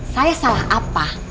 saya salah apa